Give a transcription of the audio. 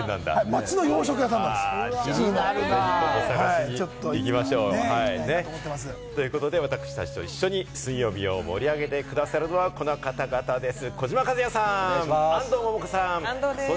街の洋食屋さんなんですよ。ということで、私達と一緒に水曜日を盛り上げてくださるのはこの方々です。